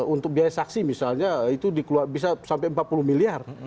untuk biaya saksi misalnya itu bisa sampai empat puluh miliar